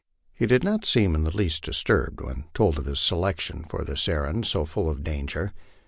He did not seem in the least disturbed when told of his selection for this er rand, so full of danger.